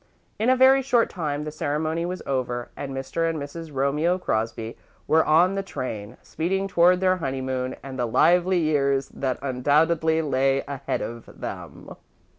In a very short time, the ceremony was over and Mr. and Mrs. Romeo Crosby were on the train, speeding toward their honeymoon and the lively years that undoubtedly lay ahead of them.